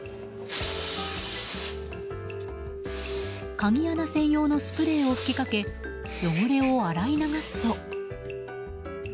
鍵穴専用のスプレーを吹きかけ汚れを洗い流すと。